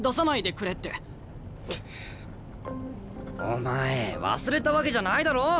お前忘れたわけじゃないだろ？